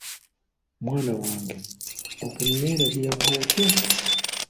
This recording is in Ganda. Mwana wange okuneelabira bwotyo?